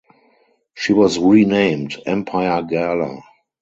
She was renamed "Empire Gala".